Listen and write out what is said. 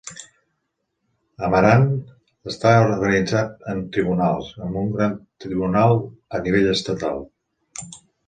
Amaranth està organitzat en Tribunals, amb un Gran Tribunal a nivell estatal.